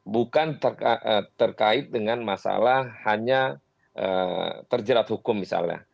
bukan terkait dengan masalah hanya terjerat hukum misalnya